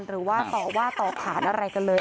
หรือว่าต่อว่าต่อขานอะไรกันเลย